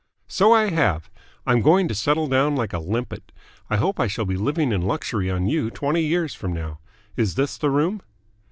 "So I have. I'm going to settle down like a limpet. I hope I shall be living in luxury on you twenty years from now. Is this the room?"